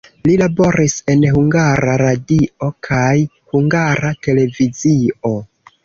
Li laboris en Hungara Radio kaj Hungara Televizio.